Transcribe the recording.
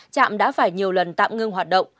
trạm đã phải nhiều lần tạm ngưng hoạt động